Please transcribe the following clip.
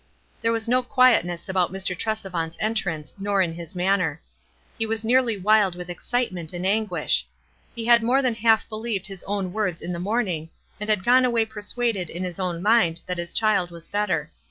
There was no quietness about Mr. Tresevant's entrance, nor in his manner. He was nearly wild with excitement and anguish. He had more than half believed his own words in tho 372 WISE ASD OTHERWISE. morning, and bad gone away persuaded in his own mind that his child was better.